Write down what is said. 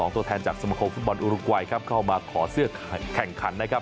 ตัวแทนจากสมคมฟุตบอลอุรุกวัยครับเข้ามาขอเสื้อแข่งขันนะครับ